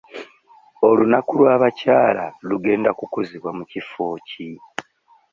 Olunaku lw'abakyala lugenda kukuzibwa mu kifo ki?